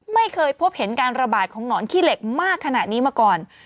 ไม่เคยพบเห็นการระบาดของหนอนขี้เหล็กมากขนาดนี้มาก่อน